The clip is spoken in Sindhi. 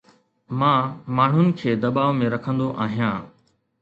مان ماڻهن کي دٻاء ۾ رکندو آهيان